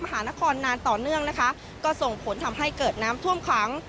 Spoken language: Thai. หานครนานต่อเนื่องนะคะก็ส่งผลทำให้เกิดน้ำท่วมขัง